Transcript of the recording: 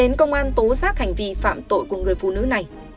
đến công an tố giác hành vi phạm tội của người phụ nữ này